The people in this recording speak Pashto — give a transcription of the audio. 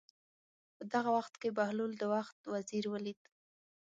په دغه وخت کې بهلول د وخت وزیر ولید.